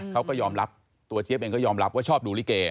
เขาก็ยอมรับตัวเจี๊ยบเองก็ยอมรับว่าชอบดูลิเก